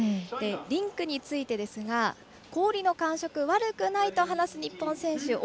リンクについてですが、氷の感触悪くないと話す日本選手